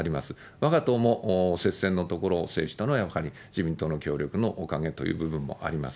わが党も接戦の所を制したのは、やはり自民党の協力のおかげという部分もあります。